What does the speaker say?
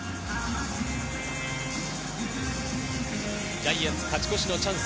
ジャイアンツ、勝ち越しのチャンス。